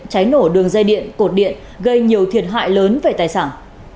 cháy nổ đường dây điện cột điện gây nhiều thiệt hại lớn về tài sản